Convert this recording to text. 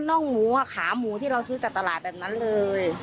่องหมูขาหมูที่เราซื้อจากตลาดแบบนั้นเลย